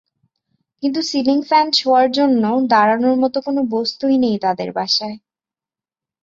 কিন্তু ceiling fan ছোঁয়ার জন্য দাঁড়ানোর মতো কোনো বস্তুই নেই তাঁদের বাসায়।